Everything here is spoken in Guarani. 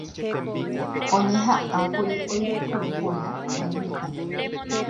oñeha'ãkuri oipuru porã Guarani ñe'ẽ